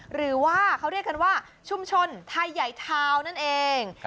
หรือว่าเขาเรียกกันว่าชุมชนไทยใหญ่ทาวน์นั่นเอง